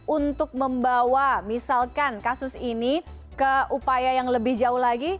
untuk membawa misalkan kasus ini ke upaya yang lebih jauh lagi